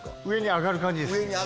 上に上がる感じです。